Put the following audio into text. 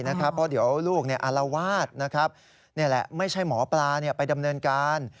เพราะเดี๋ยวลูกอารวาสนี่แหละไม่ใช่หมอปลาไปดำเนินการ